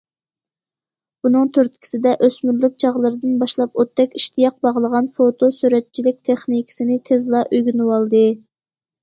بۇنىڭ تۈرتكىسىدە ئۆسمۈرلۈك چاغلىرىدىن باشلاپ ئوتتەك ئىشتىياق باغلىغان فوتو سۈرەتچىلىك تېخنىكىسىنى تېزلا ئۆگىنىۋالدى.